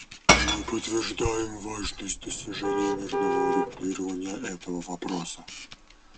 Мы подтверждаем важность достижения мирного урегулирования этого вопроса.